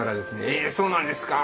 「えそうなんですか」